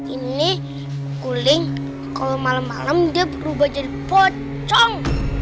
ini guling kalo malem malem dia berubah jadi pocong